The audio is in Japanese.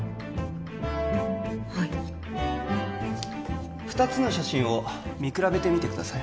はい２つの写真を見比べてみてください